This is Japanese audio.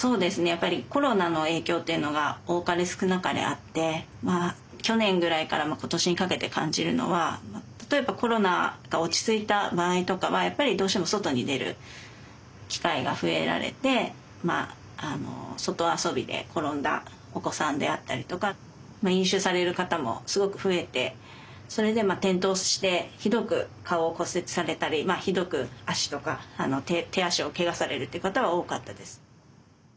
やっぱりコロナの影響っていうのが多かれ少なかれあって去年ぐらいから今年にかけて感じるのは例えばコロナが落ち着いた場合とかはやっぱりどうしても外に出る機会が増えられて外遊びで転んだお子さんであったりとか飲酒される方もすごく増えてそれで転倒してひどく顔を骨折されたりひどく手足をケガされるという方は多かったです。